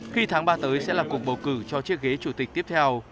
khi tháng ba tới sẽ là cuộc bầu cử cho chiếc ghế chủ tịch tiếp theo